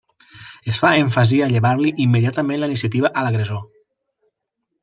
Es fa èmfasi a llevar-li immediatament la iniciativa a l'agressor.